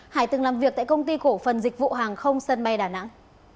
hải từng làm việc tại công ty cổ phần dịch vụ hàng không sân bay đà nẵng